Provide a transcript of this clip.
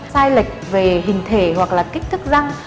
sai lệch về hình thể hoặc là kích thước răng